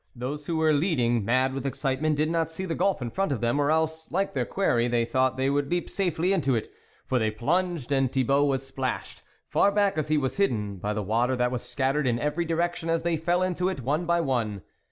Those who were leading, mad with excitement, did not see the gulf in front of them, or else, like their quarry they thought they would leap safely into it, for they plunged, and Thibault was splashed, far back as he was hidden, by the water that was scattered in every direction as they fell into it one by one.